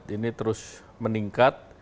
ini terus meningkat